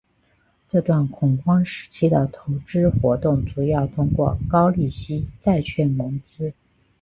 这段恐慌时期的投资活动主要通过高利息债券融资。